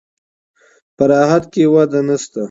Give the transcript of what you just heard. په راحت کې وده نشته.